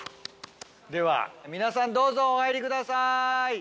では皆さんどうぞお入りください！